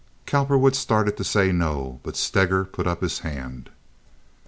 Cowperwood started to say no, but Steger put up his hand.